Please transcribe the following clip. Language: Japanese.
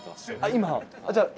今？